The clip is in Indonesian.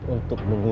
untuk pas points